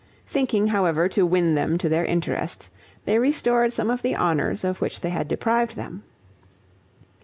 Thinking, however, to win them to their interests, they restored some of the honors of which they had deprived them.